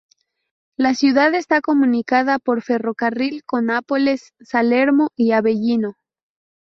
La ciudad está comunicada por ferrocarril con Nápoles, Salerno y Avellino.